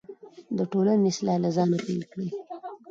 د ټولنې اصلاح له ځانه پیل کړئ.